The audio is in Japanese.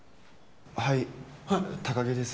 はい高城です